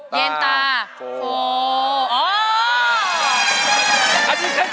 คุณปราติสิคมาก